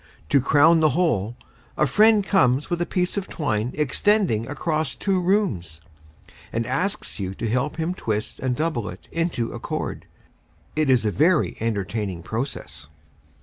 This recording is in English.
To crown the whole, a friend comes with a piece of twine extending across two rooms, and asks you to help him twist and double it into a cord. It is a very entertaining process.